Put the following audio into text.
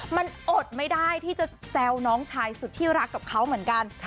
มันอดไม่ได้ที่จะแซวน้องชายสุดที่รักกับเขาเหมือนกัน